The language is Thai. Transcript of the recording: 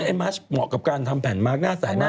ซึ่งไอ้มาร์ชเหมาะกับการทำแผ่นมาร์กหน้าใสมาก